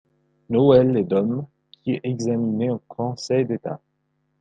Noël et Daum, qui est examiné en Conseil d'État.